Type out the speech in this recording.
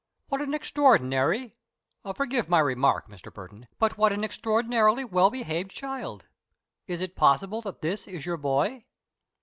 "What an extraordinarily forgive my remark, Mr. Burton but what an extraordinarily well behaved child! Is it possible that this is your boy?"